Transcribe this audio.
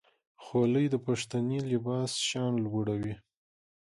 خولۍ د پښتني لباس شان لوړوي.